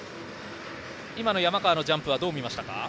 今の山川のジャンプはどう見ましたか？